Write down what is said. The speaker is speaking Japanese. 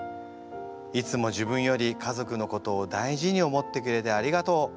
いつも自分より家族のことを大事に思ってくれてありがとう。